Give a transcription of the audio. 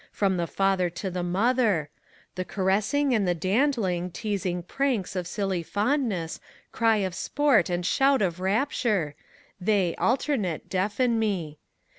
From the father to the mother : the caressing and the dandbng. Teasing pranks of silly fondness, cry of aport and shout of rapture, They, alternate, deafen me.